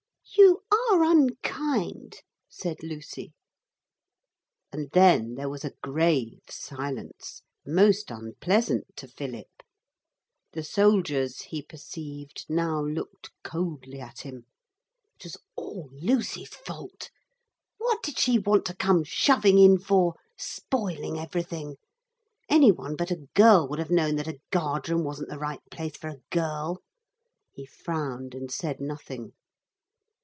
'You are unkind,' said Lucy. And then there was a grave silence, most unpleasant to Philip. The soldiers, he perceived, now looked coldly at him. It was all Lucy's fault. What did she want to come shoving in for, spoiling everything? Any one but a girl would have known that a guard room wasn't the right place for a girl. He frowned and said nothing.